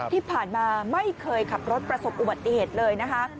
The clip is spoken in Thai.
ที่ผ่านมาไม่เคยขับรถประสบอุบัติเหตุเลยนะคะ